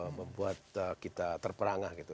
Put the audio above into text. membuat kita terperangah gitu